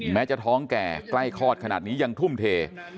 แม้จะท้องแก่ใกล้คลอดขนาดนี้ยังทุ่มเท